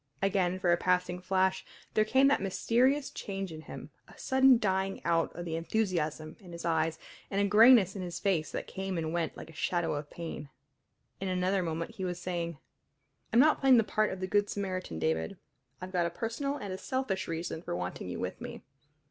Again for a passing flash there came that mysterious change in him, a sudden dying out of the enthusiasm in his eyes, and a grayness in his face that came and went like a shadow of pain. In another moment he was saying: "I'm not playing the part of the good Samaritan, David. I've got a personal and a selfish reason for wanting you with me.